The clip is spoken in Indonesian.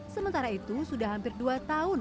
sementara itu sudah hampir dua tahun